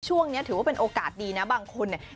ถือว่าเป็นโอกาสดีนะบางคนเนี่ย